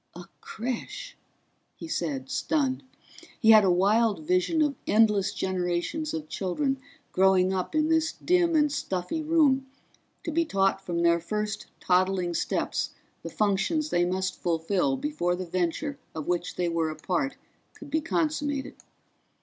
"A creche," he said, stunned. He had a wild vision of endless generations of children growing up in this dim and stuffy room, to be taught from their first toddling steps the functions they must fulfill before the venture of which they were a part could be consummated.